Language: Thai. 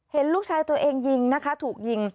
เห็นลูกชายตัวเองยิงนะคะถูกยิง